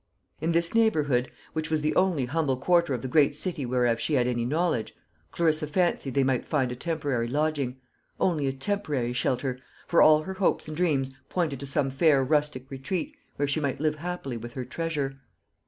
In this neighbourhood, which was the only humble quarter of the great city whereof she had any knowledge, Clarissa fancied they might find a temporary lodging only a temporary shelter, for all her hopes and dreams pointed to some fair rustic retreat, where she might live happily with her treasure.